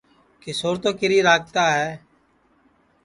کیشور تو کیری راکھتا ہے